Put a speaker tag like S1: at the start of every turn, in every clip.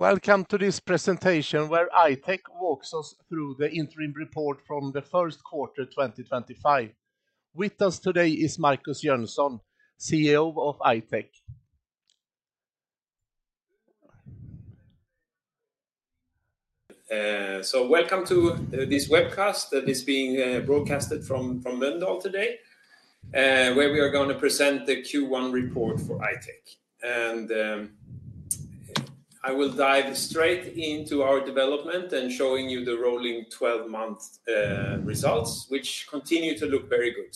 S1: Welcome to this presentation where I-Tech walks us through the interim report from the first quarter 2025. With us today is Markus Jönsson, CEO of I-Tech.
S2: So welcome to this webcast that is being broadcast from Mölndal today, where we are going to present the Q1 report for I-Tech. I will dive straight into our development and show you the rolling 12-month results, which continue to look very good.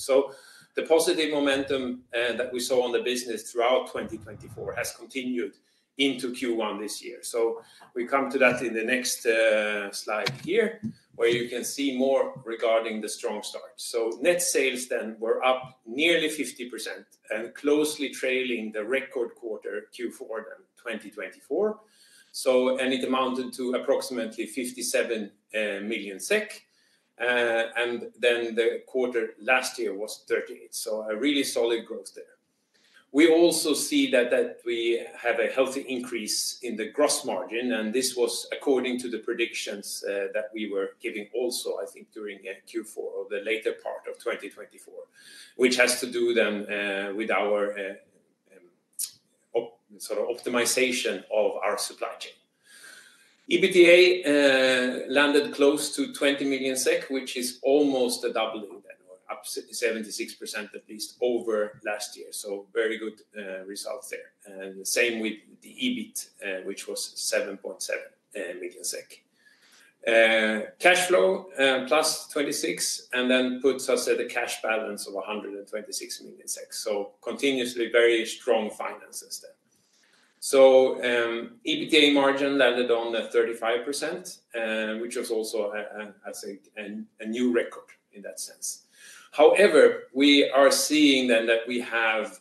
S2: The positive momentum that we saw in the business throughout 2024 has continued into Q1 this year. We come to that in the next slide here, where you can see more regarding the strong start. Net sales then were up nearly 50% and closely trailing the record quarter Q4 2024. It amounted to approximately 57 million SEK. The quarter last year was 38. A really solid growth there. We also see that we have a healthy increase in the gross margin. This was according to the predictions that we were giving also, I think, during Q4 or the later part of 2024, which has to do then with our sort of optimization of our supply chain. EBITDA landed close to 20 million SEK, which is almost a doubling then, or up 76% at least over last year. Very good results there. Same with the EBIT, which was 7.7 million SEK. Cash flow plus 26 million, and then puts us at a cash balance of 126 million SEK. Continuously very strong finances there. EBITDA margin landed on 35%, which was also, I think, a new record in that sense. However, we are seeing then that we have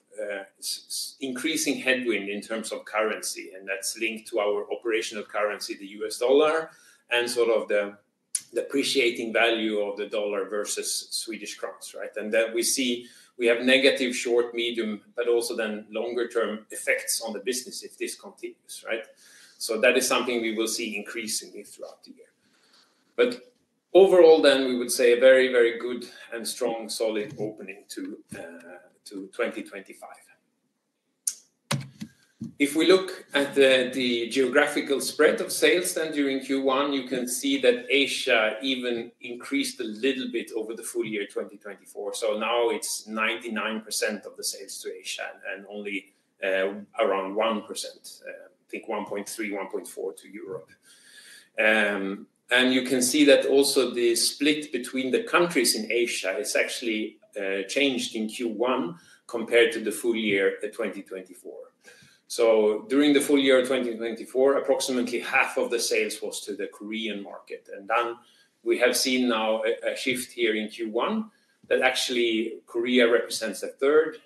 S2: increasing headwind in terms of currency, and that's linked to our operational currency, the U.S. dollar, and sort of the depreciating value of the dollar versus Swedish crowns, right? We see we have negative short, medium, but also longer-term effects on the business if this continues, right? That is something we will see increasingly throughout the year. Overall, we would say a very, very good and strong, solid opening to 2025. If we look at the geographical spread of sales during Q1, you can see that Asia even increased a little bit over the full year 2024. Now it is 99% of the sales to Asia and only around 1%, I think 1.3-1.4, to Europe. You can see that also the split between the countries in Asia has actually changed in Q1 compared to the full year 2024. During the full year 2024, approximately half of the sales was to the Korean market. We have seen now a shift here in Q1 that actually Korea represents a third,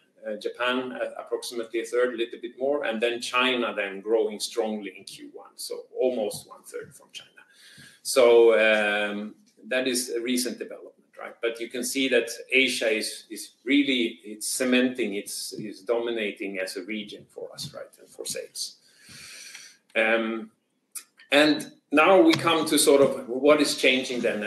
S2: Japan approximately a third, a little bit more, and then China growing strongly in Q1. Almost one third from China. That is a recent development, right? You can see that Asia is really, it is cementing, it is dominating as a region for us, right, and for sales. Now we come to sort of what is changing then.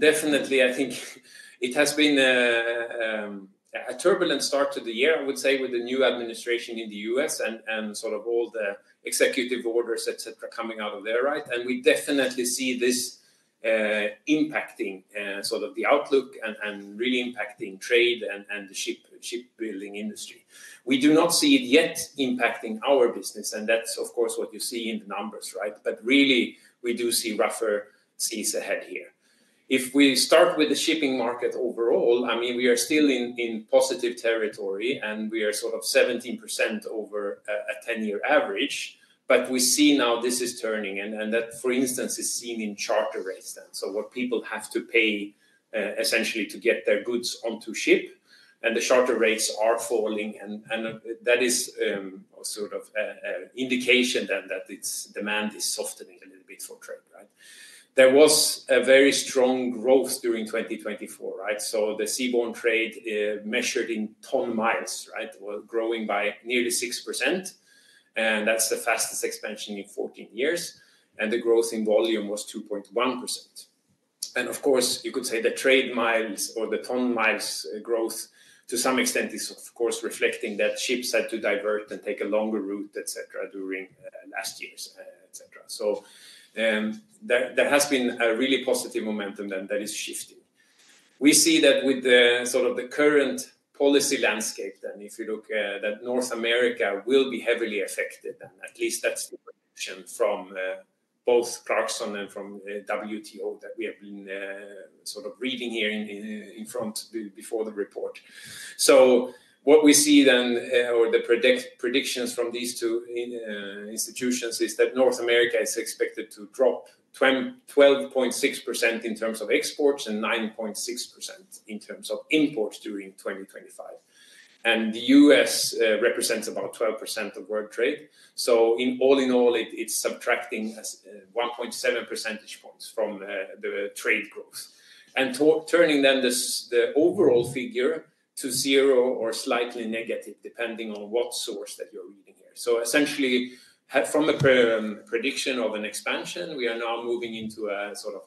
S2: Definitely, I think it has been a turbulent start to the year, I would say, with the new administration in the U.S. and sort of all the executive orders, et cetera, coming out of there, right? We definitely see this impacting sort of the outlook and really impacting trade and the shipbuilding industry. We do not see it yet impacting our business. That is, of course, what you see in the numbers, right? Really, we do see rougher seas ahead here. If we start with the shipping market overall, I mean, we are still in positive territory and we are sort of 17% over a 10-year average. We see now this is turning and that, for instance, is seen in charter rates then. What people have to pay essentially to get their goods onto ship, and the charter rates are falling. That is sort of an indication then that its demand is softening a little bit for trade, right? There was a very strong growth during 2024, right? The seaborne trade measured in ton miles, right, was growing by nearly 6%. That is the fastest expansion in 14 years. The growth in volume was 2.1%. Of course, you could say the trade miles or the ton miles growth to some extent is, of course, reflecting that ships had to divert and take a longer route, et cetera, during last year's, et cetera. There has been a really positive momentum then that is shifting. We see that with the sort of the current policy landscape then, if you look, that North America will be heavily affected and at least that's the prediction from both Clarkson and from WTO that we have been sort of reading here in front before the report. What we see then or the predictions from these two institutions is that North America is expected to drop 12.6% in terms of exports and 9.6% in terms of imports during 2025. The U.S. represents about 12% of world trade. All in all, it is subtracting 1.7 percentage points from the trade growth and turning the overall figure to zero or slightly negative depending on what source that you are reading here. Essentially from a prediction of an expansion, we are now moving into a sort of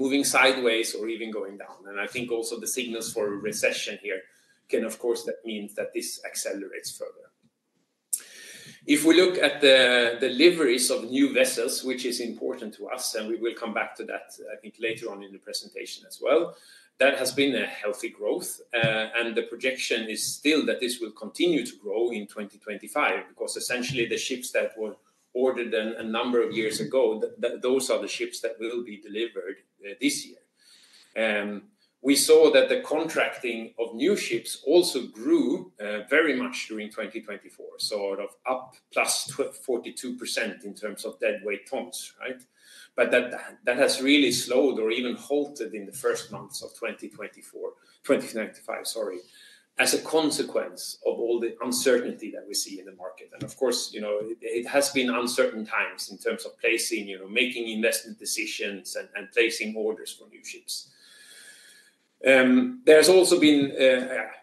S2: moving sideways or even going down. I think also the signals for a recession here can, of course, that means that this accelerates further. If we look at the deliveries of new vessels, which is important to us, and we will come back to that, I think, later on in the presentation as well, that has been a healthy growth. The projection is still that this will continue to grow in 2025 because essentially the ships that were ordered a number of years ago, those are the ships that will be delivered this year. We saw that the contracting of new ships also grew very much during 2024, sort of up plus 42% in terms of deadweight tons, right? That has really slowed or even halted in the first months of 2024, 2025, sorry, as a consequence of all the uncertainty that we see in the market. Of course, you know it has been uncertain times in terms of placing, you know, making investment decisions and placing orders for new ships. There has also been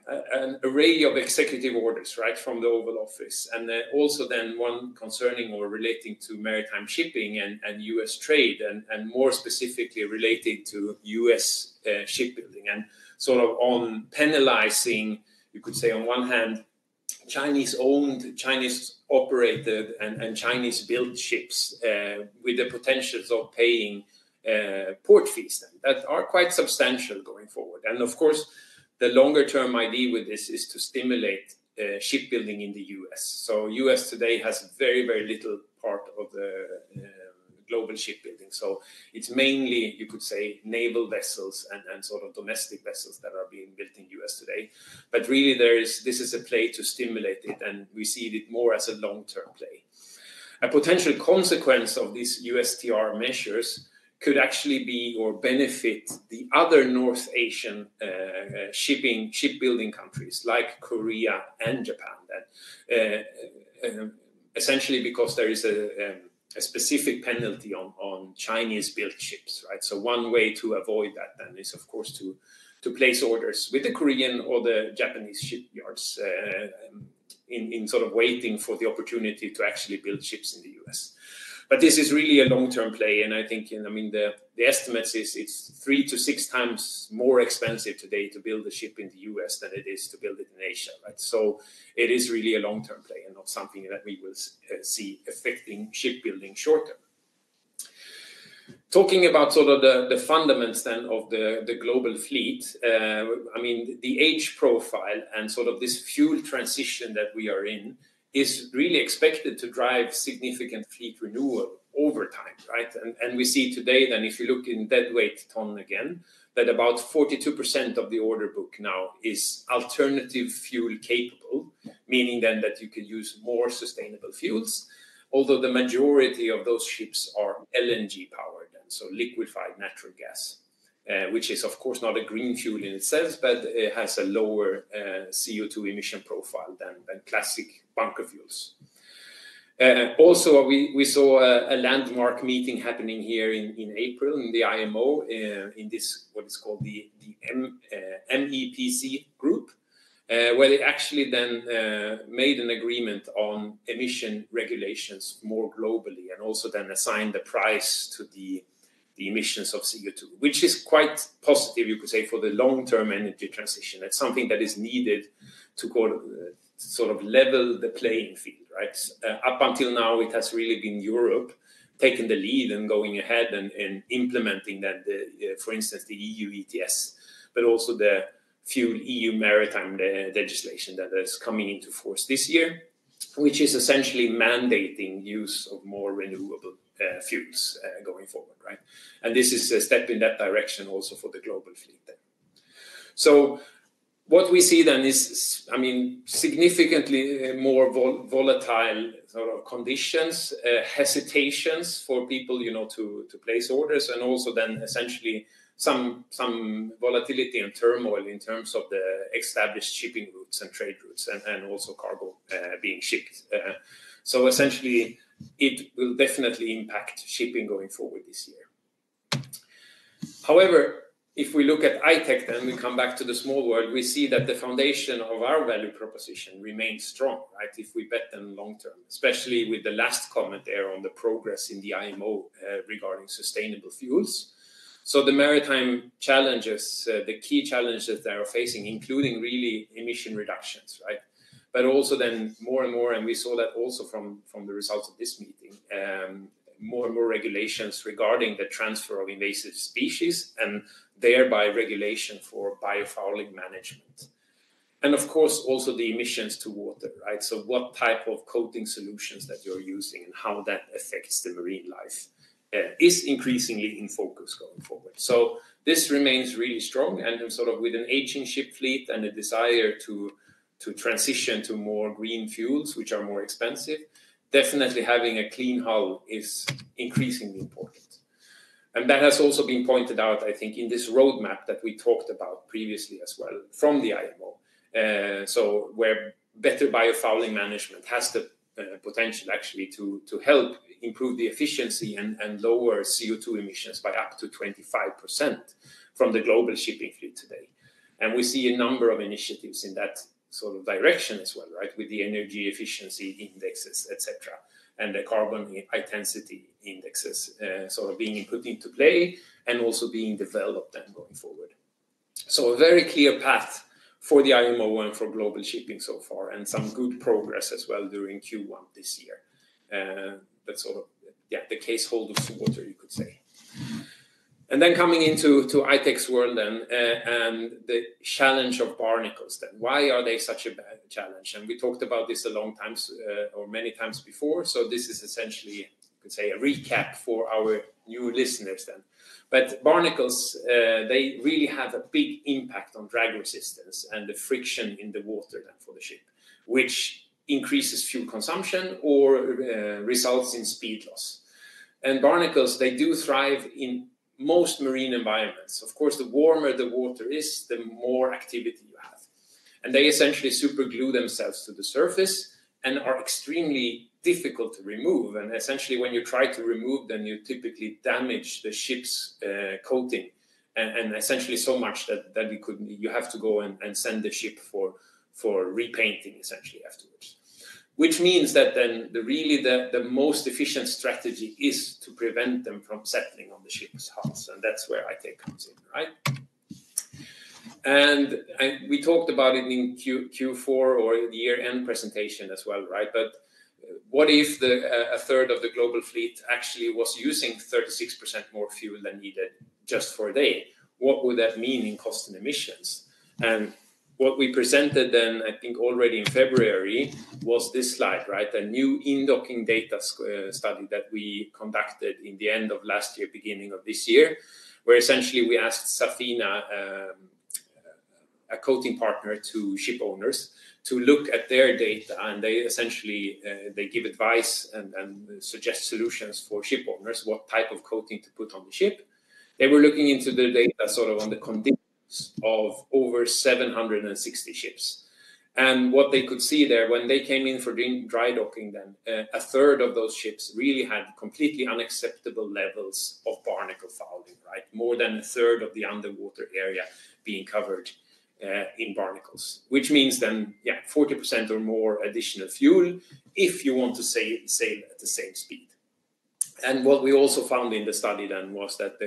S2: an array of executive orders, right, from the Oval Office. Also then one concerning or relating to maritime shipping and U.S. trade and more specifically related to U.S. shipbuilding and sort of on penalizing, you could say on one hand, Chinese-owned, Chinese-operated, and Chinese-built ships with the potentials of paying port fees that are quite substantial going forward. Of course, the longer-term idea with this is to stimulate shipbuilding in the U.S. The US.. today has very, very little part of the global shipbuilding. It is mainly, you could say, naval vessels and sort of domestic vessels that are being built in the US today. Really, this is a play to stimulate it. We see it more as a long-term play. A potential consequence of these USTR measures could actually be or benefit the other North Asian shipping shipbuilding countries like Korea and Japan, essentially because there is a specific penalty on Chinese-built ships, right? One way to avoid that is, of course, to place orders with the Korean or the Japanese shipyards in sort of waiting for the opportunity to actually build ships in the U.S. This is really a long-term play. I think, I mean, the estimate is it's three to six times more expensive today to build a ship in the U.S. than it is to build it in Asia, right? It is really a long-term play and not something that we will see affecting shipbuilding short term. Talking about sort of the fundamentals then of the global fleet, I mean, the age profile and sort of this fuel transition that we are in is really expected to drive significant fleet renewal over time, right? We see today then if you look in deadweight ton again, that about 42% of the order book now is alternative fuel capable, meaning then that you can use more sustainable fuels, although the majority of those ships are LNG powered then, so liquefied natural gas, which is of course not a green fuel in itself, but it has a lower CO2 emission profile than classic bunker fuels. Also, we saw a landmark meeting happening here in April in the IMO in this, what is called the MEPC group, where they actually then made an agreement on emission regulations more globally and also then assigned the price to the emissions of CO2, which is quite positive, you could say, for the long-term energy transition. It is something that is needed to sort of level the playing field, right? Up until now, it has really been Europe taking the lead and going ahead and implementing then, for instance, the EU MTS, but also the EU Maritime Fuel Regulation that is coming into force this year, which is essentially mandating use of more renewable fuels going forward, right? This is a step in that direction also for the global fleet then. What we see then is, I mean, significantly more volatile sort of conditions, hesitations for people, you know, to place orders, and also then essentially some volatility and turmoil in terms of the established shipping routes and trade routes and also cargo being shipped. Essentially, it will definitely impact shipping going forward this year. However, if we look at I-Tech then, we come back to the small world, we see that the foundation of our value proposition remains strong, right? If we bet then long-term, especially with the last comment there on the progress in the IMO regarding sustainable fuels. The maritime challenges, the key challenges that are facing, including really emission reductions, right? Also then more and more, and we saw that also from the results of this meeting, more and more regulations regarding the transfer of invasive species and thereby regulation for biofouling management. Of course, also the emissions to water, right? What type of coating solutions that you're using and how that affects the marine life is increasingly in focus going forward. This remains really strong and sort of with an aging ship fleet and a desire to transition to more green fuels, which are more expensive, definitely having a clean hull is increasingly important. That has also been pointed out, I think, in this roadmap that we talked about previously as well from the IMO. Where better biofouling management has the potential actually to help improve the efficiency and lower CO2 emissions by up to 25% from the global shipping fleet today. We see a number of initiatives in that sort of direction as well, right? With the energy efficiency indexes, et cetera, and the carbon intensity indexes sort of being put into play and also being developed then going forward. A very clear path for the IMO and for global shipping so far and some good progress as well during Q1 this year. That is sort of, yeah, the case holders water, you could say. Then coming into I-Tech's world and the challenge of barnacles. Why are they such a challenge? We talked about this a long time or many times before. This is essentially, you could say, a recap for our new listeners then. Barnacles, they really have a big impact on drag resistance and the friction in the water then for the ship, which increases fuel consumption or results in speed loss. Barnacles, they do thrive in most marine environments. Of course, the warmer the water is, the more activity you have. They essentially super glue themselves to the surface and are extremely difficult to remove. Essentially, when you try to remove them, you typically damage the ship's coating and essentially so much that you have to go and send the ship for repainting essentially afterwards, which means that then really the most efficient strategy is to prevent them from settling on the ship's hulls. That is where I-Tech comes in, right? We talked about it in Q4 or the year-end presentation as well, right? What if a third of the global fleet actually was using 36% more fuel than needed just for a day? What would that mean in cost and emissions? What we presented then, I think already in February, was this slide, right? A new inducing data study that we conducted in the end of last year, beginning of this year, where essentially we asked Safina, a coating partner to ship owners, to look at their data. They essentially give advice and suggest solutions for ship owners, what type of coating to put on the ship. They were looking into the data sort of on the conditions of over 760 ships. What they could see there when they came in for dry docking then, a third of those ships really had completely unacceptable levels of barnacle fouling, right? More than a third of the underwater area being covered in barnacles, which means then, yeah, 40% or more additional fuel if you want to sail at the same speed. What we also found in the study then was that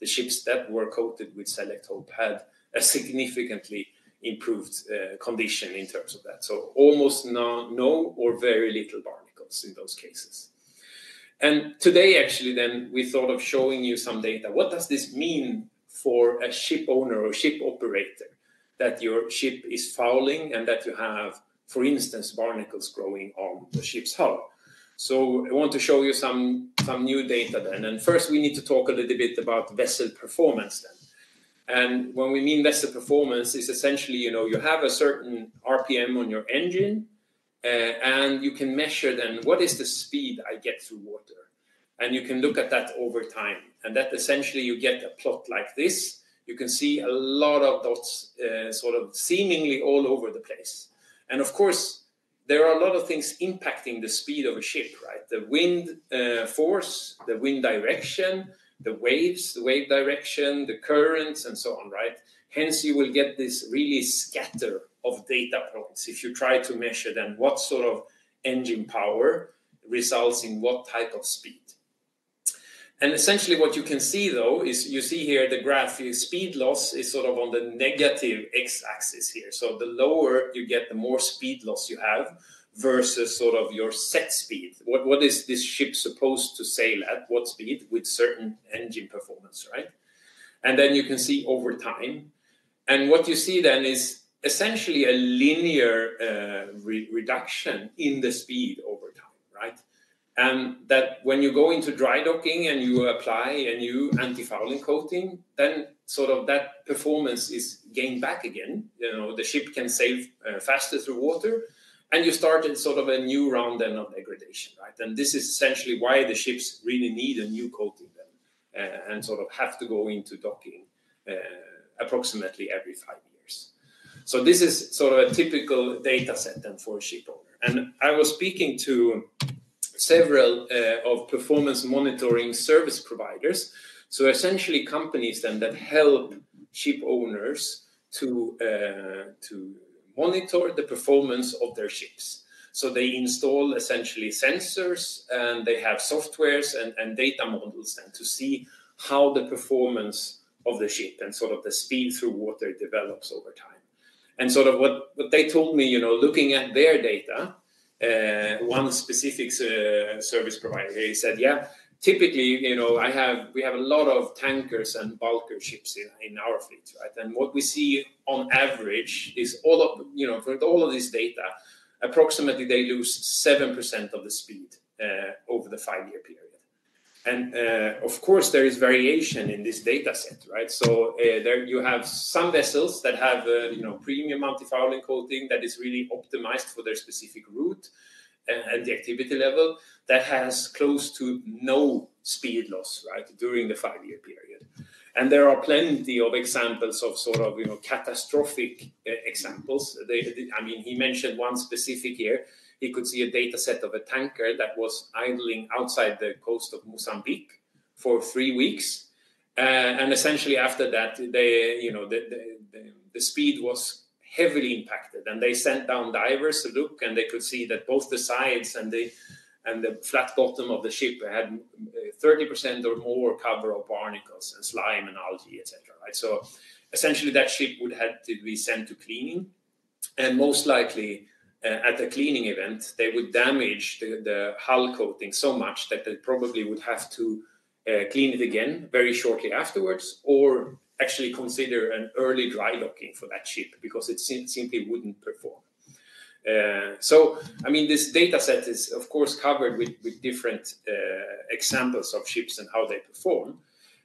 S2: the ships that were coated with Selektope had a significantly improved condition in terms of that. Almost no or very little barnacles in those cases. Today, actually then, we thought of showing you some data. What does this mean for a ship owner or ship operator that your ship is fouling and that you have, for instance, barnacles growing on the ship's hull? I want to show you some new data then. First, we need to talk a little bit about vessel performance then. When we mean vessel performance, it's essentially, you know, you have a certain RPM on your engine and you can measure then what is the speed I get through water. You can look at that over time. That essentially, you get a plot like this. You can see a lot of dots sort of seemingly all over the place. Of course, there are a lot of things impacting the speed of a ship, right? The wind force, the wind direction, the waves, the wave direction, the currents, and so on, right? Hence, you will get this really scatter of data points if you try to measure then what sort of engine power results in what type of speed. Essentially what you can see though is you see here the graph is speed loss is sort of on the negative X axis here. The lower you get, the more speed loss you have versus sort of your set speed. What is this ship supposed to sail at what speed with certain engine performance, right? You can see over time. What you see then is essentially a linear reduction in the speed over time, right? When you go into dry docking and you apply a new anti-fouling coating, then sort of that performance is gained back again. You know, the ship can sail faster through water and you started sort of a new round then of degradation, right? This is essentially why the ships really need a new coating then and sort of have to go into docking approximately every five years. This is sort of a typical data set then for a ship owner. I was speaking to several performance monitoring service providers. Essentially, companies then that help ship owners to monitor the performance of their ships. They install essentially sensors and they have softwares and data models then to see how the performance of the ship and sort of the speed through water develops over time. What they told me, you know, looking at their data, one specific service provider here said, yeah, typically, you know, we have a lot of tankers and bulker ships in our fleets, right? What we see on average is, with all of this data, approximately they lose 7% of the speed over the five-year period. Of course, there is variation in this data set, right? There you have some vessels that have, you know, premium anti-fouling coating that is really optimized for their specific route and the activity level that has close to no speed loss, right, during the five-year period. There are plenty of examples of sort of, you know, catastrophic examples. I mean, he mentioned one specific year. He could see a data set of a tanker that was idling outside the coast of Mozambique for three weeks. Essentially after that, they, you know, the speed was heavily impacted. They sent down divers to look and they could see that both the sides and the flat bottom of the ship had 30% or more cover of barnacles and slime and algae, et cetera, right? Essentially that ship would have to be sent to cleaning. Most likely at the cleaning event, they would damage the hull coating so much that they probably would have to clean it again very shortly afterwards or actually consider an early dry docking for that ship because it simply would not perform. I mean, this data set is of course covered with different examples of ships and how they perform.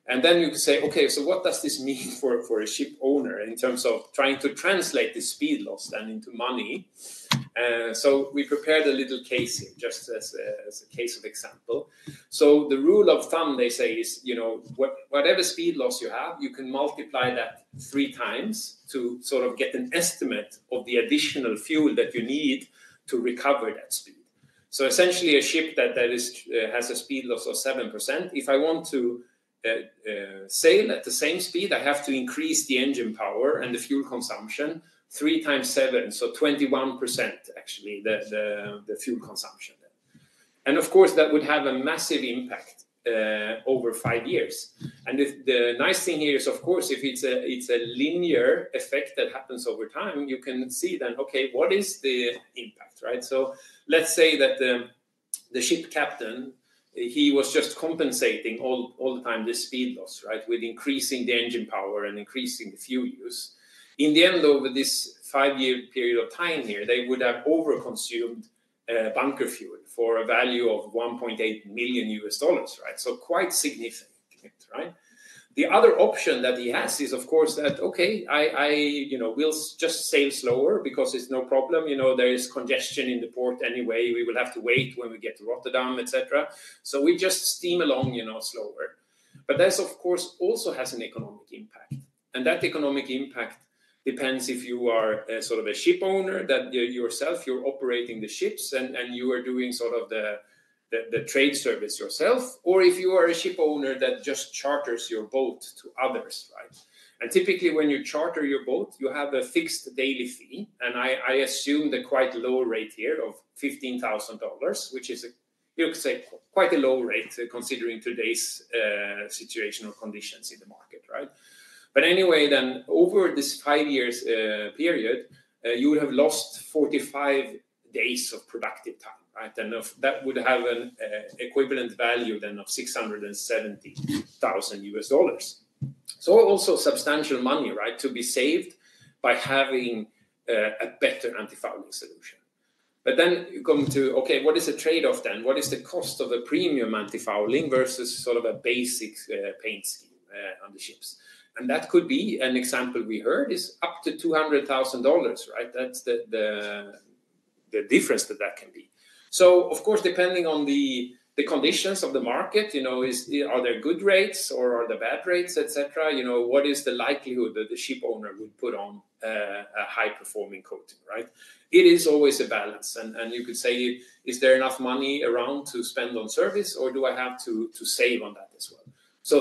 S2: You could say, okay, what does this mean for a ship owner in terms of trying to translate the speed loss then into money? We prepared a little case here just as a case of example. The rule of thumb they say is, you know, whatever speed loss you have, you can multiply that three times to sort of get an estimate of the additional fuel that you need to recover that speed. Essentially a ship that has a speed loss of 7%, if I want to sail at the same speed, I have to increase the engine power and the fuel consumption three times seven, so 21% actually the fuel consumption then. Of course, that would have a massive impact over five years. The nice thing here is, of course, if it is a linear effect that happens over time, you can see then, okay, what is the impact, right? Let's say that the ship captain, he was just compensating all the time this speed loss, right, with increasing the engine power and increasing the fuel use. In the end, over this five-year period of time here, they would have overconsumed bunker fuel for a value of $1.8 million, right? Quite significant, right? The other option that he has is of course that, okay, I, you know, will just sail slower because it's no problem. You know, there is congestion in the port anyway. We will have to wait when we get to Rotterdam, et cetera. We just steam along, you know, slower. That of course also has an economic impact. That economic impact depends if you are sort of a ship owner that yourself, you're operating the ships and you are doing sort of the trade service yourself, or if you are a ship owner that just charters your boat to others, right? Typically when you charter your boat, you have a fixed daily fee. I assume the quite low rate here of $15,000, which is, you could say, quite a low rate considering today's situational conditions in the market, right? Anyway, then over this five-year period, you would have lost 45 days of productive time, right? That would have an equivalent value then of $670,000. Also substantial money, right, to be saved by having a better anti-fouling solution. Then you come to, okay, what is the trade-off then? What is the cost of a premium anti-fouling versus sort of a basic paint scheme on the ships? That could be an example we heard is up to $200,000, right? That is the difference that that can be. Of course, depending on the conditions of the market, you know, are there good rates or are there bad rates, et cetera? You know, what is the likelihood that the ship owner would put on a high-performing coating, right? It is always a balance. You could say, is there enough money around to spend on service or do I have to save on that as well?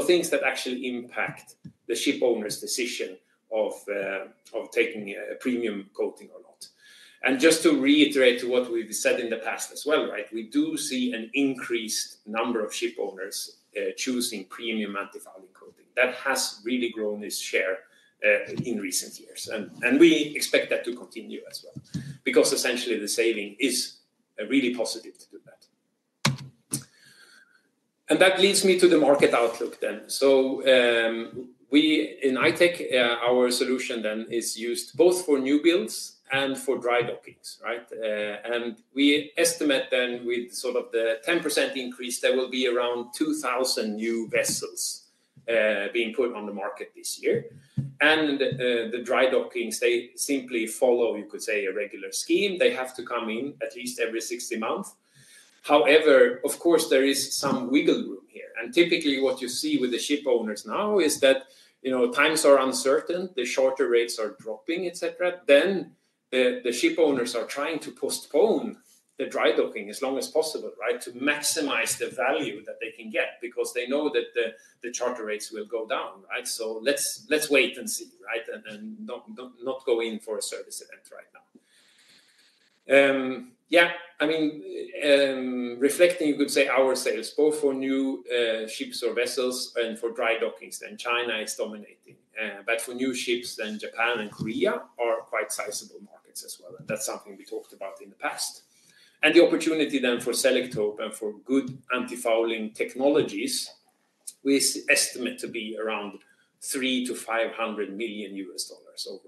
S2: Things that actually impact the ship owner's decision of taking a premium coating or not. Just to reiterate what we've said in the past as well, right? We do see an increased number of ship owners choosing premium anti-fouling coating. That has really grown its share in recent years. We expect that to continue as well because essentially the saving is really positive to do that. That leads me to the market outlook then. We in I-Tech, our solution then is used both for new builds and for dry dockings, right? We estimate then with sort of the 10% increase, there will be around 2,000 new vessels being put on the market this year. The dry dockings, they simply follow, you could say, a regular scheme. They have to come in at least every 60 months. However, of course, there is some wiggle room here. Typically what you see with the ship owners now is that, you know, times are uncertain, the charter rates are dropping, et cetera. The ship owners are trying to postpone the dry docking as long as possible, right? To maximize the value that they can get because they know that the charter rates will go down, right? Let's wait and see, right? Not go in for a service event right now. Yeah, I mean, reflecting, you could say our sales, both for new ships or vessels and for dry dockings, then China is dominating. For new ships, then Japan and Korea are quite sizable markets as well. That is something we talked about in the past. The opportunity for Selektope and for good anti-fouling technologies, we estimate to be around $300 million-$500 million overall.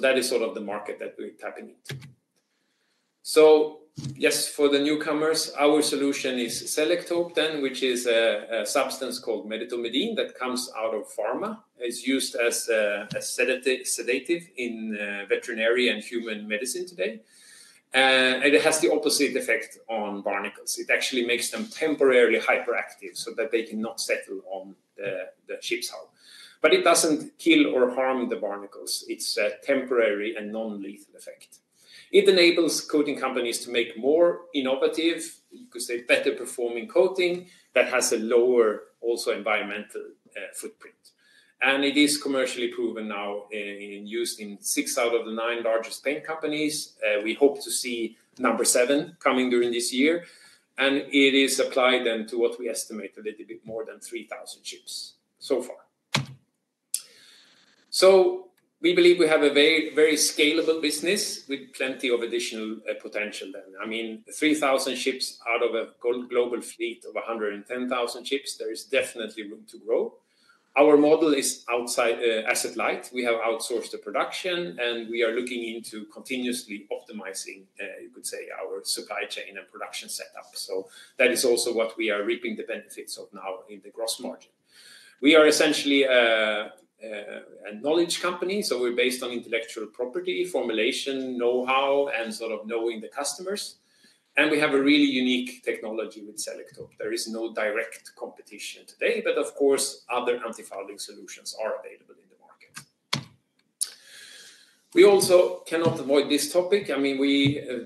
S2: That is sort of the market that we're tapping into. Yes, for the newcomers, our solution is Selektope, which is a substance called medetomidine that comes out of pharma. It's used as a sedative in veterinary and human medicine today. It has the opposite effect on barnacles. It actually makes them temporarily hyperactive so that they cannot settle on the ship's hull. It does not kill or harm the barnacles. It's a temporary and non-lethal effect. It enables coating companies to make more innovative, you could say, better performing coating that has a lower also environmental footprint. It is commercially proven now in use in six out of the nine largest paint companies. We hope to see number seven coming during this year. It is applied then to what we estimate a little bit more than 3,000 ships so far. We believe we have a very scalable business with plenty of additional potential then. I mean, 3,000 ships out of a global fleet of 110,000 ships, there is definitely room to grow. Our model is asset light. We have outsourced the production and we are looking into continuously optimizing, you could say, our supply chain and production setup. That is also what we are reaping the benefits of now in the gross margin. We are essentially a knowledge company. We are based on intellectual property, formulation, know-how, and sort of knowing the customers. We have a really unique technology with Selektope. There is no direct competition today, but of course, other anti-fouling solutions are available in the market. We also cannot avoid this topic. I mean,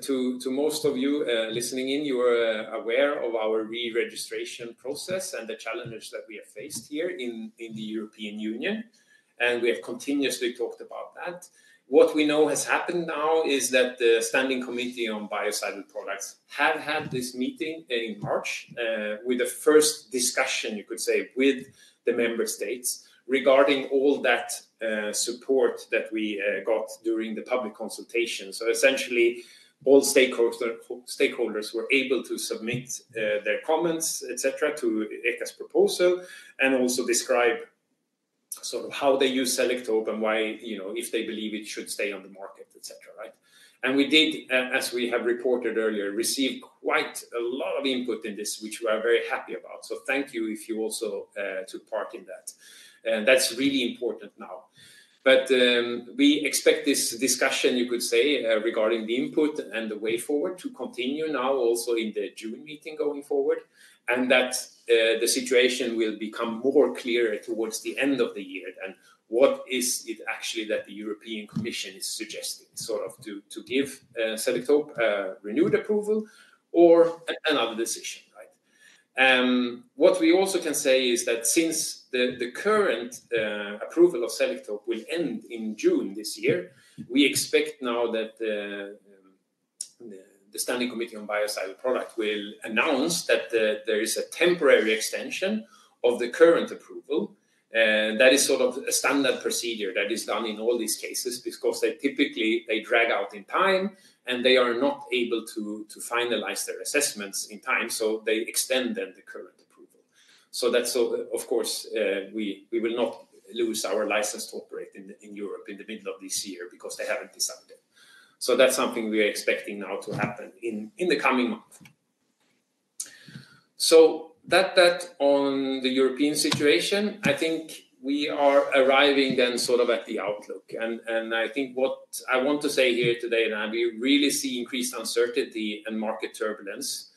S2: to most of you listening in, you are aware of our re-registration process and the challenges that we have faced here in the European Union. We have continuously talked about that. What we know has happened now is that the Standing Committee on Biocide Products have had this meeting in March with the first discussion, you could say, with the member states regarding all that support that we got during the public consultation. Essentially, all stakeholders were able to submit their comments, et cetera, to I-Tech's proposal and also describe sort of how they use Selektope and why, you know, if they believe it should stay on the market, et cetera, right? We did, as we have reported earlier, receive quite a lot of input in this, which we are very happy about. Thank you if you also took part in that. That is really important now. We expect this discussion, you could say, regarding the input and the way forward to continue now also in the June meeting going forward. The situation will become more clear towards the end of the year then. What is it actually that the European Commission is suggesting, sort of to give Selektope renewed approval or another decision, right? What we also can say is that since the current approval of Selektope will end in June this year, we expect now that the Standing Committee on Biocide Product will announce that there is a temporary extension of the current approval. That is sort of a standard procedure that is done in all these cases because they typically, they drag out in time and they are not able to finalize their assessments in time. They extend then the current approval. That is of course, we will not lose our license to operate in Europe in the middle of this year because they have not decided it. That is something we are expecting now to happen in the coming month. That on the European situation, I think we are arriving then sort of at the outlook. I think what I want to say here today, we really see increased uncertainty and market turbulence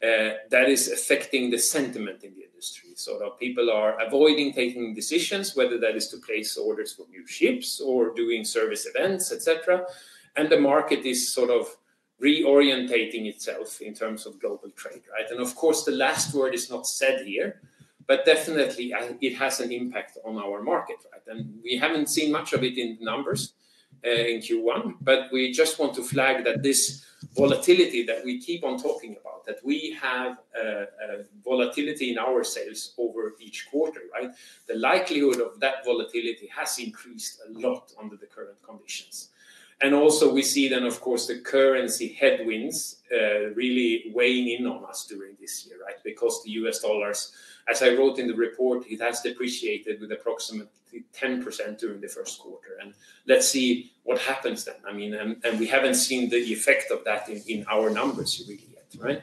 S2: that is affecting the sentiment in the industry. People are avoiding taking decisions, whether that is to place orders for new ships or doing service events, et cetera. The market is sort of re-orientating itself in terms of global trade, right? Of course, the last word is not said here, but definitely it has an impact on our market, right? We have not seen much of it in the numbers in Q1, but we just want to flag that this volatility that we keep on talking about, that we have volatility in our sales over each quarter, right? The likelihood of that volatility has increased a lot under the current conditions. Also, we see then, of course, the currency headwinds really weighing in on us during this year, right? The U.S. dollars, as I wrote in the report, has depreciated with approximately 10% during the first quarter. Let's see what happens then. I mean, we have not seen the effect of that in our numbers really yet, right?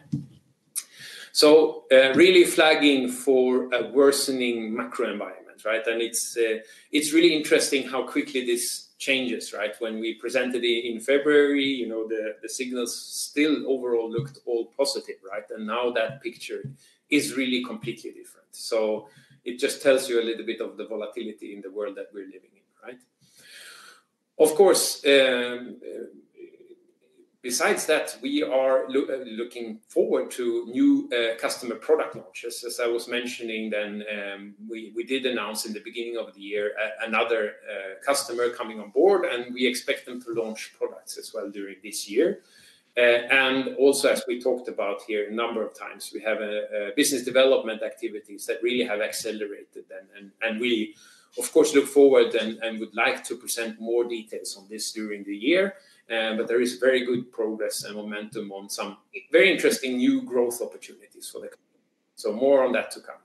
S2: Really flagging for a worsening macro environment, right? It is really interesting how quickly this changes, right? When we presented in February, you know, the signals still overall looked all positive, right? Now that picture is really completely different. It just tells you a little bit of the volatility in the world that we are living in, right? Of course, besides that, we are looking forward to new customer product launches. As I was mentioning then, we did announce in the beginning of the year another customer coming on board, and we expect them to launch products as well during this year. Also, as we talked about here a number of times, we have business development activities that really have accelerated then. We of course look forward and would like to present more details on this during the year. There is very good progress and momentum on some very interesting new growth opportunities for the company. More on that to come.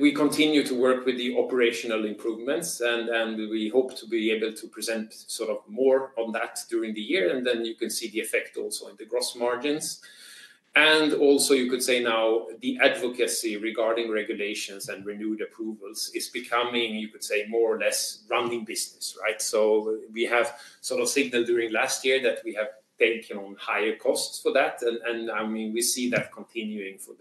S2: We continue to work with the operational improvements, and we hope to be able to present sort of more on that during the year. You can see the effect also in the gross margins. You could say now the advocacy regarding regulations and renewed approvals is becoming, you could say, more or less running business, right? We have sort of signaled during last year that we have taken on higher costs for that. I mean, we see that continuing for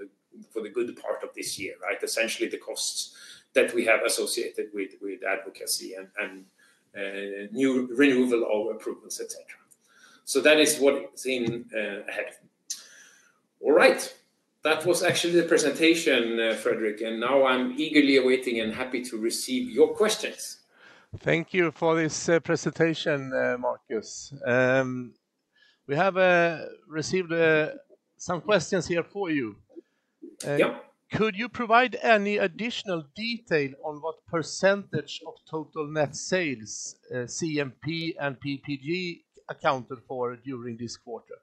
S2: the good part of this year, right? Essentially the costs that we have associated with advocacy and new renewal of approvals, et cetera. That is what's in ahead. All right. That was actually the presentation, Frederik. I am eagerly awaiting and happy to receive your questions.
S1: Thank you for this presentation, Markus. We have received some questions here for you. Could you provide any additional detail on what percentage of total net sales, CMP and PPG, accounted for during this quarter?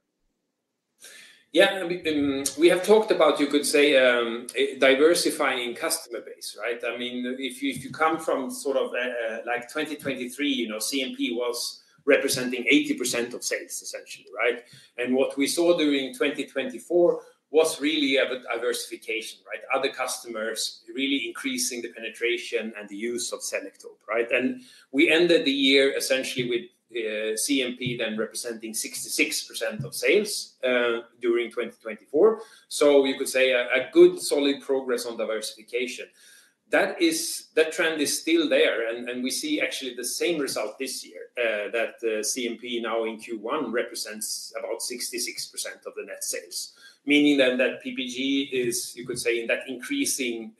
S2: Yeah, we have talked about, you could say, diversifying customer base, right? I mean, if you come from sort of like 2023, you know, CMP was representing 80% of sales essentially, right? What we saw during 2024 was really a diversification, right? Other customers really increasing the penetration and the use of Selektope, right? We ended the year essentially with CMP then representing 66% of sales during 2024. You could say a good solid progress on diversification. That trend is still there. We see actually the same result this year that CMP now in Q1 represents about 66% of the net sales. Meaning then that PPG is, you could say, in that increasing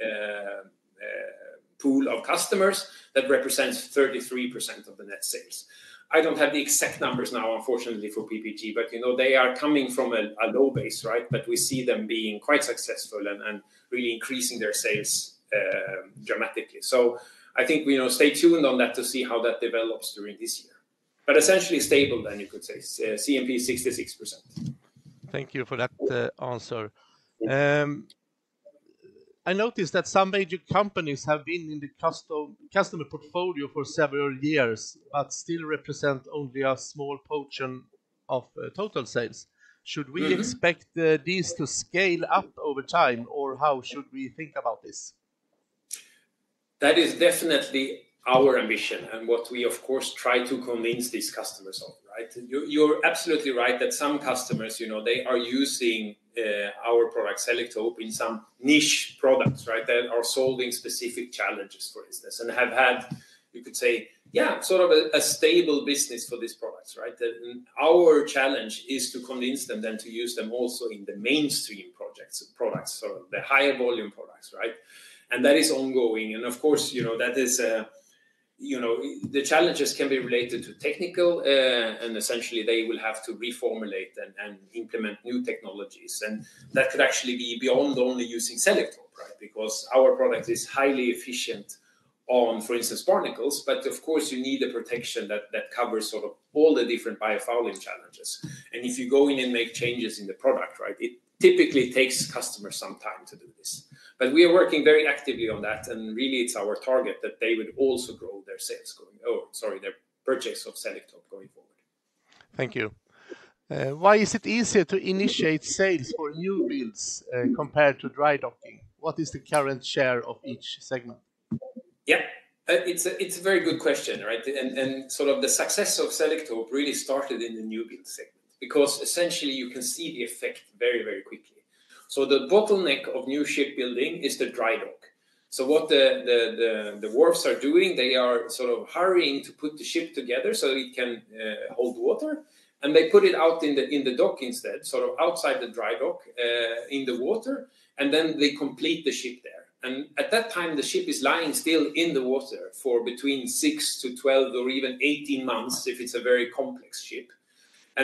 S2: pool of customers that represents 33% of the net sales. I do not have the exact numbers now, unfortunately, for PPG, but you know, they are coming from a low base, right? We see them being quite successful and really increasing their sales dramatically. I think, you know, stay tuned on that to see how that develops during this year. Essentially stable then, you could say, CMP 66%.
S1: Thank you for that answer. I noticed that some major companies have been in the customer portfolio for several years, but still represent only a small portion of total sales. Should we expect these to scale up over time or how should we think about this?
S2: That is definitely our ambition and what we of course try to convince these customers of, right? You're absolutely right that some customers, you know, they are using our product, Selektope, in some niche products, right? That are solving specific challenges, for instance, and have had, you could say, yeah, sort of a stable business for these products, right? Our challenge is to convince them then to use them also in the mainstream products, sort of the higher volume products, right? That is ongoing. Of course, you know, the challenges can be related to technical and essentially they will have to reformulate and implement new technologies. That could actually be beyond only using Selektope, right? Because our product is highly efficient on, for instance, barnacles, but of course you need a protection that covers sort of all the different biofouling challenges. If you go in and make changes in the product, right? It typically takes customers some time to do this. We are working very actively on that and really it's our target that they would also grow their sales going, oh, sorry, their purchase of Selektope going forward.
S1: Thank you. Why is it easier to initiate sales for new builds compared to dry docking? What is the current share of each segment?
S2: Yeah, it's a very good question, right? And sort of the success of Selektope really started in the new build segment because essentially you can see the effect very, very quickly. The bottleneck of new ship building is the dry dock. What the wharves are doing, they are sort of hurrying to put the ship together so it can hold water. They put it out in the dock instead, sort of outside the dry dock in the water. Then they complete the ship there. At that time, the ship is lying still in the water for between 6-12 or even 18 months if it's a very complex ship.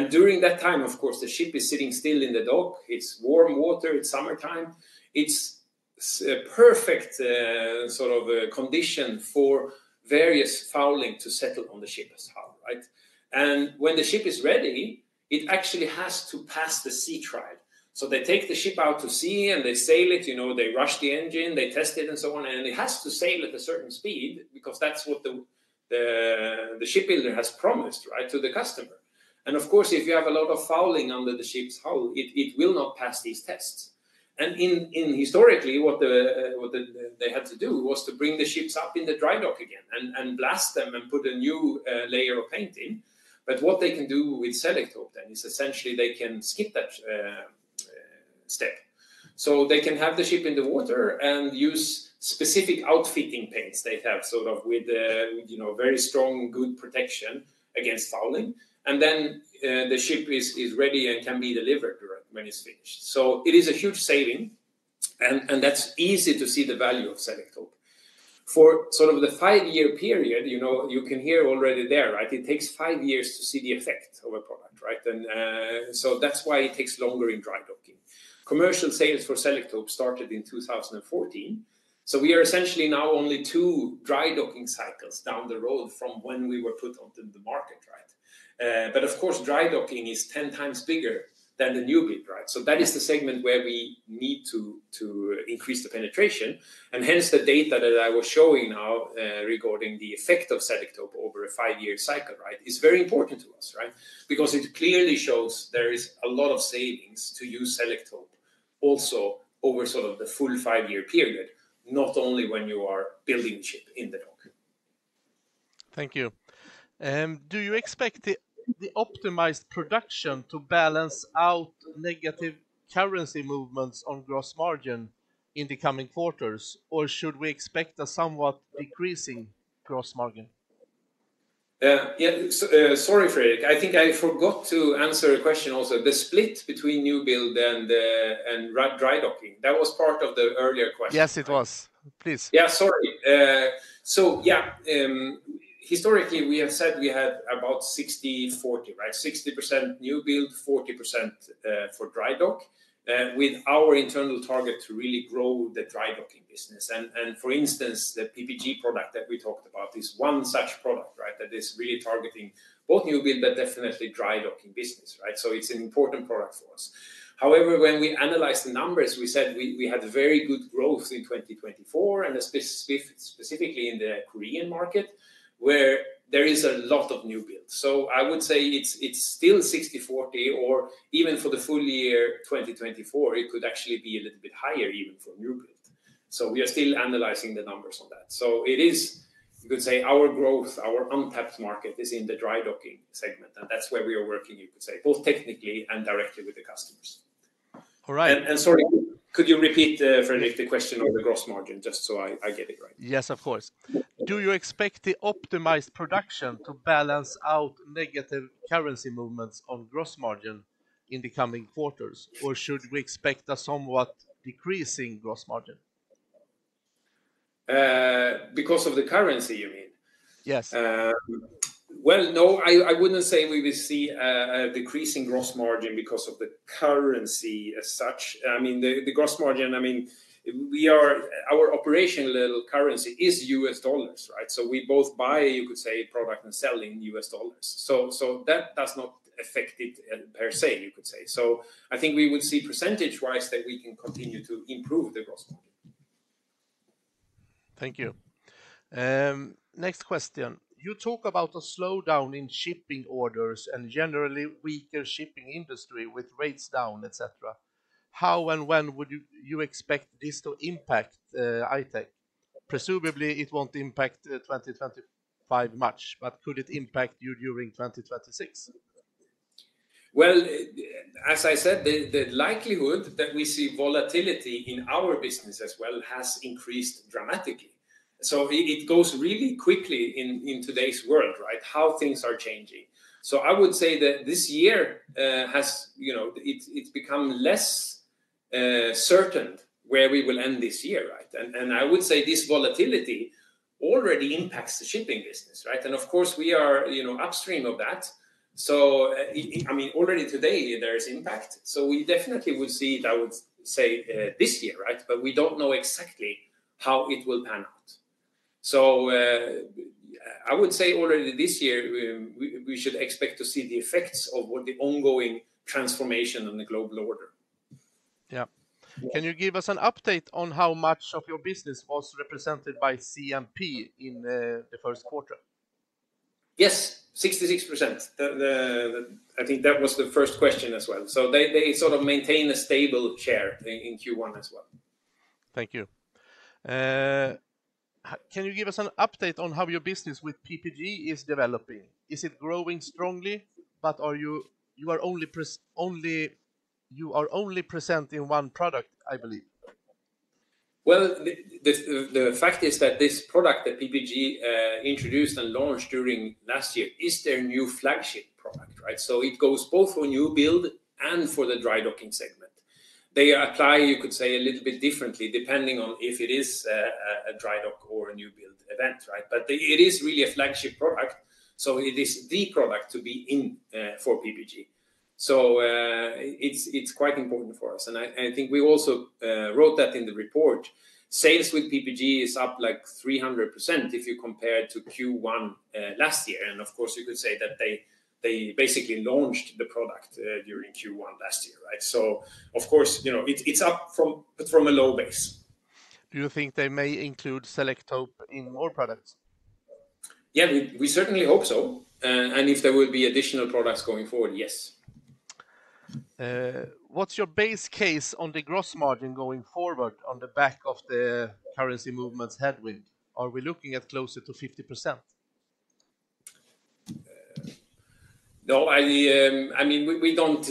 S2: During that time, of course, the ship is sitting still in the dock. It is warm water. It is summertime. It is a perfect sort of condition for various fouling to settle on the ship as well, right? When the ship is ready, it actually has to pass the sea trial. They take the ship out to sea and they sail it, you know, they rush the engine, they test it and so on. It has to sail at a certain speed because that is what the shipbuilder has promised, right, to the customer. Of course, if you have a lot of fouling under the ship's hull, it will not pass these tests. Historically, what they had to do was to bring the ships up in the dry dock again and blast them and put a new layer of paint on. What they can do with Selektope then is essentially they can skip that step. They can have the ship in the water and use specific outfitting paints they have, sort of with, you know, very strong good protection against fouling. The ship is ready and can be delivered when it is finished. It is a huge saving. It is easy to see the value of Selektope. For sort of the five-year period, you know, you can hear already there, right? It takes five years to see the effect of a product, right? That is why it takes longer in dry docking. Commercial sales for Selektope started in 2014. We are essentially now only two dry docking cycles down the road from when we were put onto the market, right? Of course, dry docking is 10 times bigger than the new build, right? That is the segment where we need to increase the penetration. Hence the data that I was showing now regarding the effect of Selektope over a five-year cycle, right? Is very important to us, right? Because it clearly shows there is a lot of savings to use Selektope also over sort of the full five-year period, not only when you are building the ship in the dock.
S1: Thank you. Do you expect the optimized production to balance out negative currency movements on gross margin in the coming quarters? Or should we expect a somewhat decreasing gross margin?
S2: Yeah, sorry, Frederik. I think I forgot to answer a question also. The split between new build and dry docking, that was part of the earlier question.
S1: Yes, it was. Please.
S2: Yeah, sorry. Yeah, historically we have said we had about 60-40, right? 60% new build, 40% for dry dock, with our internal target to really grow the dry docking business. For instance, the PPG product that we talked about is one such product, right? That is really targeting both new build, but definitely dry docking business, right? It is an important product for us. However, when we analyzed the numbers, we said we had very good growth in 2024, and specifically in the Korean market, where there is a lot of new build. I would say it is still 60-40, or even for the full year 2024, it could actually be a little bit higher even for new build. We are still analyzing the numbers on that. It is, you could say, our growth, our untapped market is in the dry docking segment, and that's where we are working, you could say, both technically and directly with the customers.
S1: All right.
S2: Sorry, could you repeat, Frederik, the question on the gross margin just so I get it right?
S1: Yes, of course. Do you expect the optimized production to balance out negative currency movements on gross margin in the coming quarters, or should we expect a somewhat decreasing gross margin?
S2: Because of the currency, you mean?
S1: Yes.
S2: No, I wouldn't say we would see a decreasing gross margin because of the currency as such. I mean, the gross margin, I mean, our operational currency is U.S. dollars, right? We both buy, you could say, product and sell in U.S. dollars. That does not affect it percent, you could say. I think we would see percentage-wise that we can continue to improve the gross margin.
S1: Thank you. Next question. You talk about a slowdown in shipping orders and generally weaker shipping industry with rates down, et cetera. How and when would you expect this to impact I-Tech? Presumably it will not impact 2025 much, but could it impact you during 2026?
S2: As I said, the likelihood that we see volatility in our business as well has increased dramatically. It goes really quickly in today's world, right? How things are changing. I would say that this year has, you know, it has become less certain where we will end this year, right? I would say this volatility already impacts the shipping business, right? Of course, we are, you know, upstream of that. I mean, already today there is impact. We definitely would see it, I would say, this year, right? We do not know exactly how it will pan out. I would say already this year we should expect to see the effects of what the ongoing transformation on the global order.
S1: Yeah. Can you give us an update on how much of your business was represented by CMP in the first quarter?
S2: Yes, 66%. I think that was the first question as well. They sort of maintain a stable share in Q1 as well.
S1: Thank you. Can you give us an update on how your business with PPG is developing? Is it growing strongly, but are you only presenting one product, I believe?
S2: The fact is that this product that PPG introduced and launched during last year is their new flagship product, right? It goes both for new build and for the dry docking segment. They apply, you could say, a little bit differently depending on if it is a dry dock or a new build event, right? It is really a flagship product. It is the product to be in for PPG. It is quite important for us. I think we also wrote that in the report. Sales with PPG is up like 300% if you compare it to Q1 last year. You could say that they basically launched the product during Q1 last year, right? It is up from a low base.
S1: Do you think they may include Selektope in more products?
S2: Yeah, we certainly hope so. If there will be additional products going forward, yes.
S1: What's your base case on the gross margin going forward on the back of the currency movements headwind? Are we looking at closer to 50%?
S2: No, I mean, we don't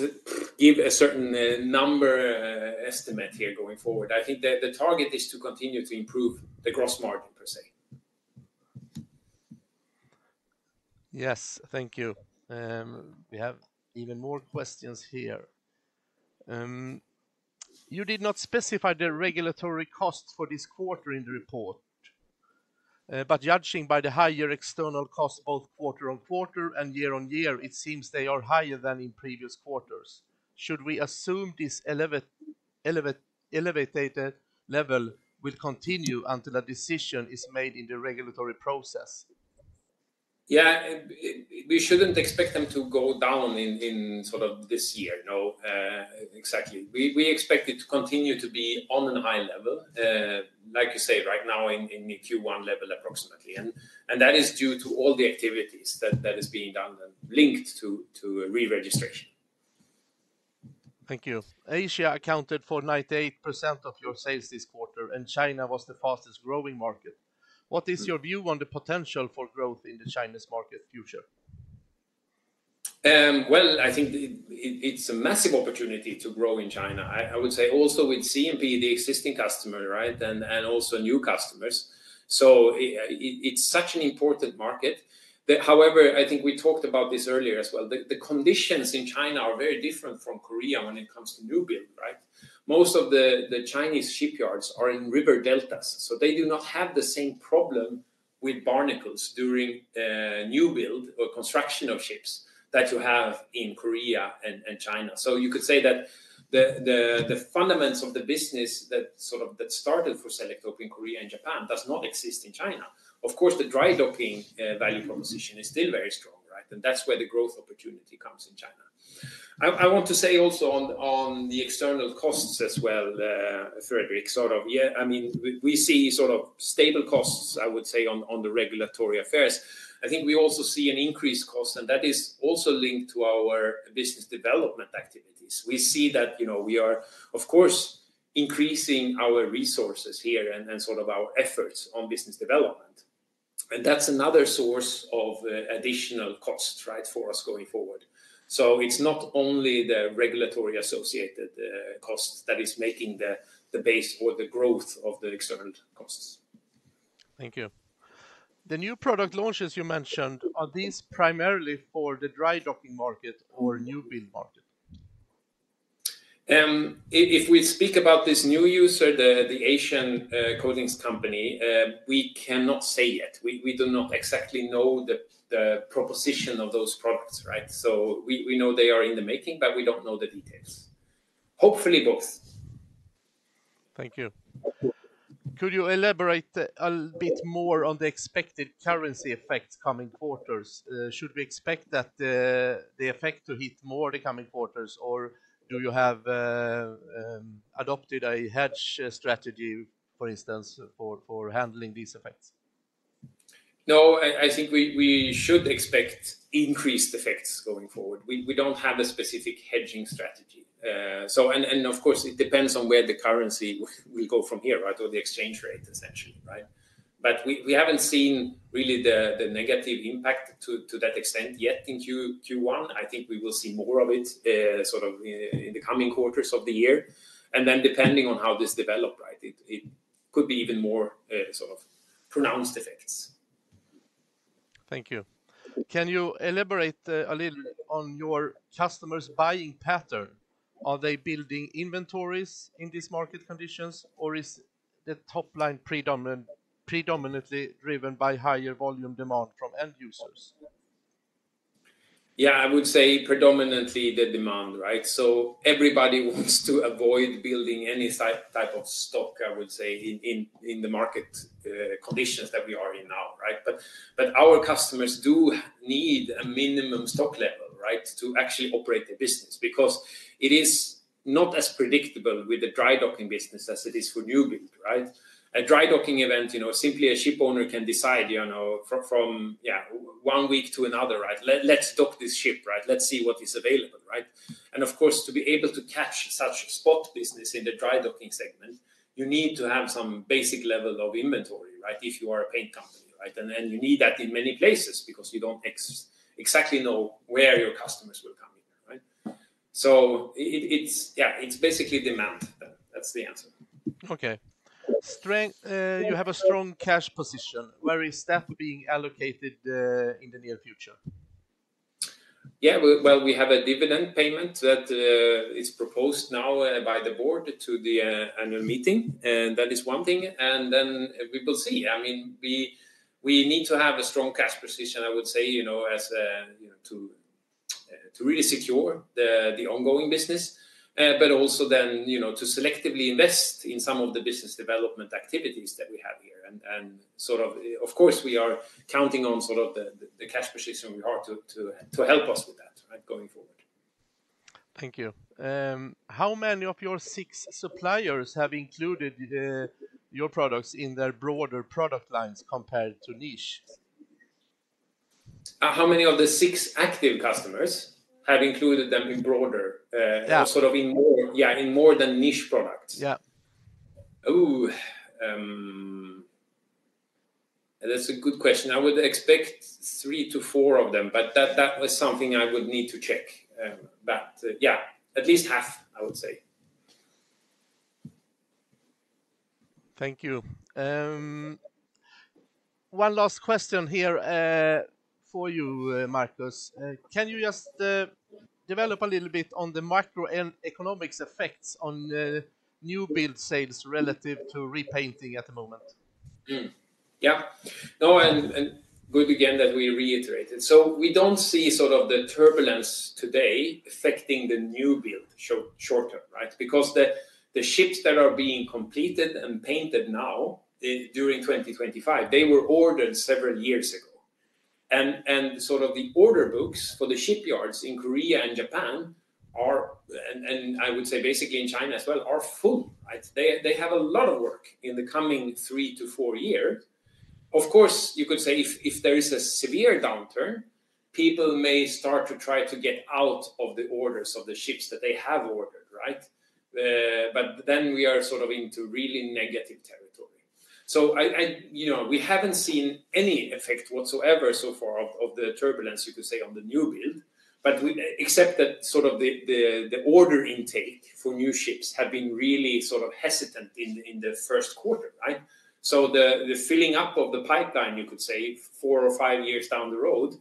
S2: give a certain number estimate here going forward. I think that the target is to continue to improve the gross margin percent.
S1: Yes, thank you. We have even more questions here. You did not specify the regulatory costs for this quarter in the report. But judging by the higher external costs both quarter-on -quarter and year-on-year, it seems they are higher than in previous quarters. Should we assume this elevated level will continue until a decision is made in the regulatory process?
S2: Yeah, we shouldn't expect them to go down in sort of this year, no, exactly. We expect it to continue to be on a high level, like you say, right now in Q1 level approximately. That is due to all the activities that are being done and linked to re-registration.
S1: Thank you. Asia accounted for 98% of your sales this quarter, and China was the fastest growing market. What is your view on the potential for growth in the Chinese market future?
S2: I think it's a massive opportunity to grow in China. I would say also with CMP, the existing customer, right, and also new customers. It's such an important market. However, I think we talked about this earlier as well. The conditions in China are very different from Korea when it comes to new build, right? Most of the Chinese shipyards are in river deltas. They do not have the same problem with barnacles during new build or construction of ships that you have in Korea and China. You could say that the fundamentals of the business that sort of started for Selektope in Korea and Japan do not exist in China. Of course, the dry docking value proposition is still very strong, right? That is where the growth opportunity comes in China. I want to say also on the external costs as well, Frederik, yeah, I mean, we see sort of stable costs, I would say, on the regulatory affairs. I think we also see an increased cost, and that is also linked to our business development activities. We see that, you know, we are, of course, increasing our resources here and our efforts on business development. That is another source of additional costs, right, for us going forward. It is not only the regulatory associated costs that are making the base or the growth of the external costs.
S1: Thank you. The new product launches you mentioned, are these primarily for the dry docking market or new build market?
S2: If we speak about this new user, the Asian coatings company, we cannot say yet. We do not exactly know the proposition of those products, right? We know they are in the making, but we do not know the details. Hopefully both.
S1: Thank you. Could you elaborate a bit more on the expected currency effects coming quarters? Should we expect that the effect to hit more the coming quarters, or have you adopted a hedge strategy, for instance, for handling these effects?
S2: No, I think we should expect increased effects going forward. We do not have a specific hedging strategy. Of course, it depends on where the currency will go from here, or the exchange rate essentially, right? We have not seen really the negative impact to that extent yet in Q1. I think we will see more of it in the coming quarters of the year. Depending on how this develops, it could be even more pronounced effects.
S1: Thank you. Can you elaborate a little on your customers' buying pattern? Are they building inventories in these market conditions, or is the top line predominantly driven by higher volume demand from end users?
S2: Yeah, I would say predominantly the demand, right? Everybody wants to avoid building any type of stock, I would say, in the market conditions that we are in now, right? Our customers do need a minimum stock level, right, to actually operate the business because it is not as predictable with the dry docking business as it is for new build, right? A dry docking event, you know, simply a ship owner can decide, you know, from, yeah, one week to another, right? Let's dock this ship, right? Let's see what is available, right? Of course, to be able to catch such a spot business in the dry docking segment, you need to have some basic level of inventory, right? If you are a paint company, right? You need that in many places because you do not exactly know where your customers will come in, right? It is basically demand. That is the answer.
S1: Okay. You have a strong cash position. Where is that being allocated in the near future?
S2: Yeah, we have a dividend payment that is proposed now by the board to the annual meeting. That is one thing. We will see. I mean, we need to have a strong cash position, I would say, you know, as to really secure the ongoing business, but also then, you know, to selectively invest in some of the business development activities that we have here. Of course, we are counting on the cash position we have to help us with that, right, going forward.
S1: Thank you. How many of your six suppliers have included your products in their broader product lines compared to niche?
S2: How many of the six active customers have included them in broader, sort of in more, yeah, in more than niche products? Yeah. Ooh, that is a good question. I would expect three to four of them, but that was something I would need to check. But yeah, at least half, I would say.
S1: Thank you. One last question here for you, Markus. Can you just develop a little bit on the macro and economics effects on new build sales relative to repainting at the moment?
S2: Yeah. No, and good again that we reiterated. We do not see sort of the turbulence today affecting the new build short term, right? Because the ships that are being completed and painted now during 2025, they were ordered several years ago. The order books for the shipyards in Korea and Japan are, and I would say basically in China as well, are full, right? They have a lot of work in the coming three to four years. Of course, you could say if there is a severe downturn, people may start to try to get out of the orders of the ships that they have ordered, right? You know, we have not seen any effect whatsoever so far of the turbulence, you could say, on the new build, but we accept that sort of the order intake for new ships has been really sort of hesitant in the first quarter, right? The filling up of the pipeline, you could say, four or five years down the road,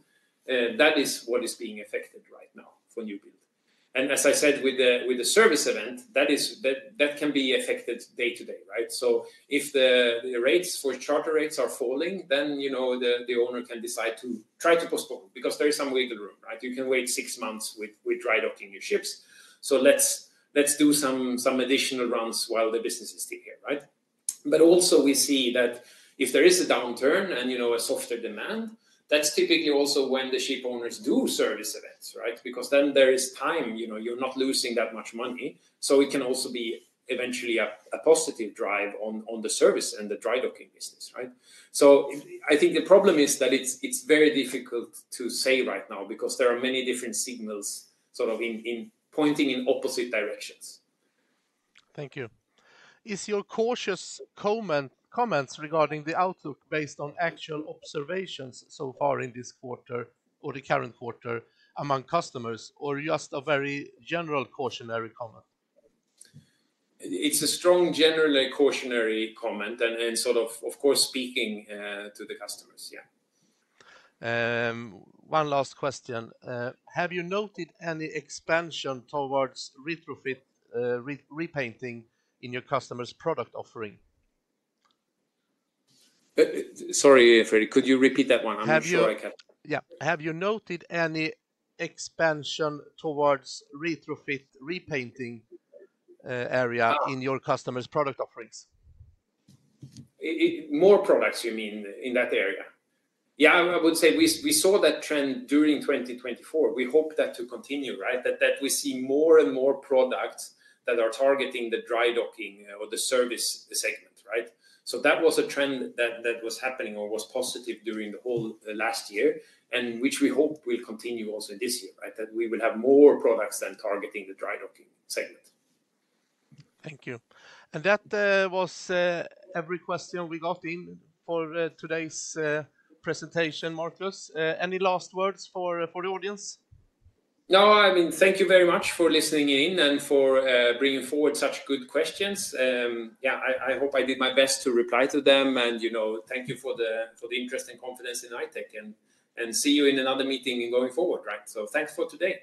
S2: that is what is being affected right now for new build. As I said, with the service event, that can be affected day to day, right? If the rates for charter rates are falling, then, you know, the owner can decide to try to postpone because there is some wiggle room, right? You can wait six months with dry docking your ships. Let's do some additional runs while the business is still here, right? Also, we see that if there is a downturn and, you know, a softer demand, that's typically also when the ship owners do service events, right? Because then there is time, you know, you're not losing that much money. It can also be eventually a positive drive on the service and the dry docking business, right? I think the problem is that it's very difficult to say right now because there are many different signals sort of in pointing in opposite directions.
S1: Thank you. Is your cautious comment regarding the outlook based on actual observations so far in this quarter or the current quarter among customers or just a very general cautionary comment?
S2: It's a strong generally cautionary comment and sort of, of course, speaking to the customers, yeah.
S1: One last question. Have you noted any expansion towards retrofit repainting in your customers' product offering?
S2: Sorry, Freddy, could you repeat that one? I'm not sure I can.
S1: Yeah. Have you noted any expansion towards retrofit repainting area in your customers' product offerings? More products, you mean in that area? Yeah, I would say we saw that trend during 2024. We hope that to continue, right? That we see more and more products that are targeting the dry docking or the service segment, right?
S2: That was a trend that was happening or was positive during the whole last year and which we hope will continue also this year, right? That we will have more products than targeting the dry docking segment.
S1: Thank you. That was every question we got in for today's presentation, Markus. Any last words for the audience?
S2: No, I mean, thank you very much for listening in and for bringing forward such good questions. Yeah, I hope I did my best to reply to them. And, you know, thank you for the interest and confidence in I-Tech and see you in another meeting going forward, right? Thanks for today.